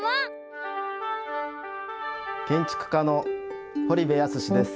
建築家の堀部安嗣です。